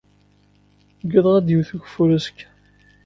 Uggadeɣ ad d-yewwet ugeffur azekka.